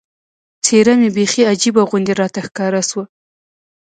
څېره مې بیخي عجیبه غوندې راته ښکاره شوه.